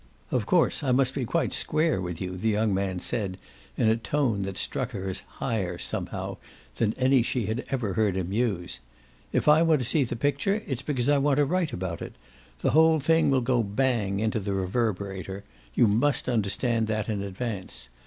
"Of course I must be quite square with you," the young man said in a tone that struck her as "higher," somehow, than any she had ever heard him use. "If I want to see the picture it's because I want to write about it. The whole thing will go bang into the Reverberator. You must understand that in advance.